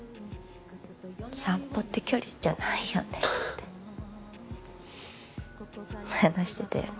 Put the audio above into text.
散歩って距離じゃないよねって話してたよね